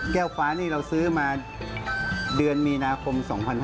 ฟ้านี่เราซื้อมาเดือนมีนาคม๒๕๕๙